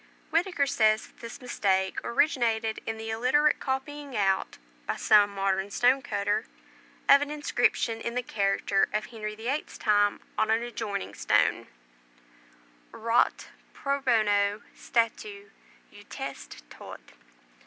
Whitaker says that this mistake originated in the illiterate copying out, by some modern stone cutter, of an inscription in the character of Henry the Eighth's time on an adjoining stone: "Orate pro bono statu Eutest Tod."